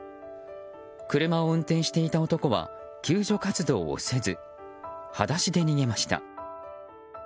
車を運転していた男は救助活動をせず裸足で逃げました。